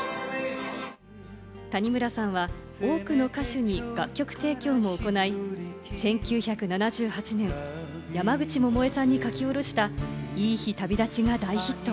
谷村さんは多くの歌手に楽曲提供も行い、１９７８年、山口百恵さんに書き下ろした『いい日旅立ち』が大ヒット。